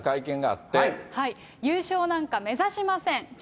優勝なんか目指しません。